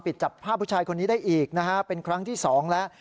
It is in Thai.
ปิดจับผ้าผู้ชายคนนี้ได้อีกเป็นครั้งที่๒แล้ว